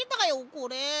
これ！